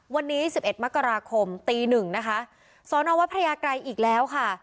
วันนี้สิบเอ็ดมกราคมตีหนึ่งนะคะสอนอวัดพระยาไกรอีกแล้วค่ะ